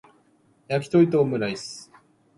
やきとりとオムライス